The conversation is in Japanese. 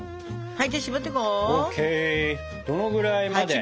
はい。